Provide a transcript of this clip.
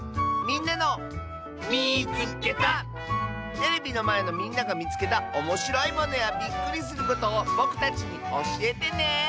テレビのまえのみんながみつけたおもしろいものやびっくりすることをぼくたちにおしえてね！